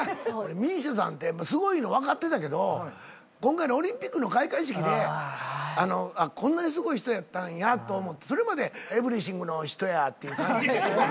ＭＩＳＩＡさんってすごいの分かってたけど今回のオリンピックの開会式で「こんなにすごい人やったんや」と思ってそれまで「『Ｅｖｅｒｙｔｈｉｎｇ』の人や」っていう感じで。